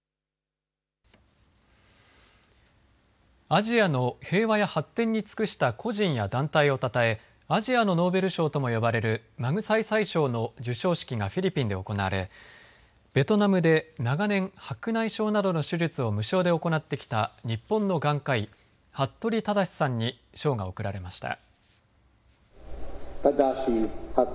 アジアの平和や発展に尽くした個人や団体をたたえアジアのノーベル賞とも呼ばれるマグサイサイ賞の授賞式がフィリピンで行われベトナムで長年白内障などの手術を無償で行ってきた日本の眼科医、服部匡志さんに賞が贈られました。